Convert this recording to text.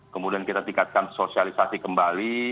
kemudian kita tingkatkan sosialisasi kembali